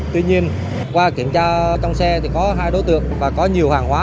tuy nhiên qua kiểm tra trong xe thì có hai đối tượng và có nhiều hàng hóa